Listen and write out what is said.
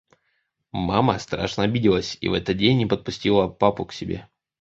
Мама страшно обиделась и в этот день не подпустила папу к себе.